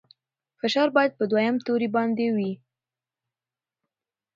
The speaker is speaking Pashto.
فشار باید په دویم توري باندې وي.